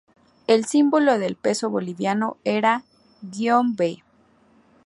El símbolo del Peso boliviano era $b.